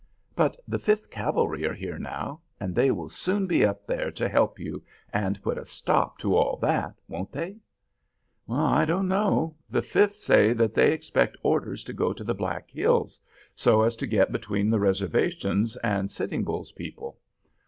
"But the Fifth Cavalry are here now, and they will soon be up there to help you, and put a stop to all that, won't they?" "I don't know. The Fifth say that they expect orders to go to the Black Hills, so as to get between the reservations and Sitting Bull's people.